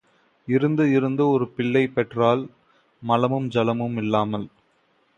இருந்து இருந்து ஒரு பிள்ளை பெற்றாள், மலமும் ஜலமும் இல்லாமல்.